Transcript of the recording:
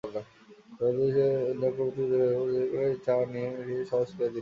দেবদাস চক্রবর্তী স্বভাবসুলভ হইচই করে চা-মিষ্টি আনিয়ে পরিবেশ সহজ করে দিলেন।